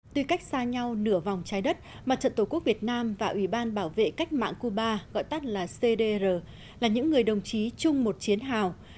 tuy cách xa nhau nửa vòng trái đất mặt trận tổ quốc việt nam và ủy ban bảo vệ cách mạng cuba gọi tắt là cdr là những người đồng chí chung một chiến hào